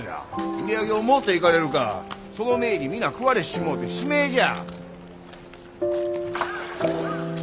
売り上ぎょお持っていかれるかその前に皆食われてしもうてしめえじゃ。